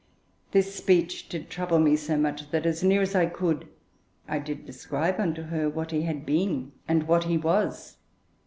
This speech did trouble me so much that, as near as I could, I did describe unto her what he had been, and what he was....